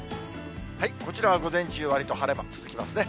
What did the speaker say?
こちらは午前中はわりと晴れマーク続きますね。